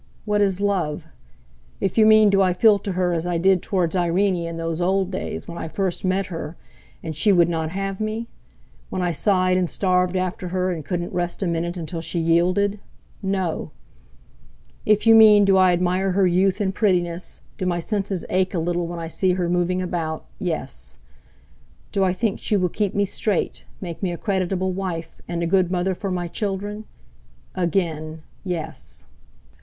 What is love? If you mean do I feel to her as I did towards Irene in those old days when I first met her and she would not have me; when I sighed and starved after her and couldn't rest a minute until she yielded—no! If you mean do I admire her youth and prettiness, do my senses ache a little when I see her moving about—yes! Do I think she will keep me straight, make me a creditable wife and a good mother for my children?—again, yes!"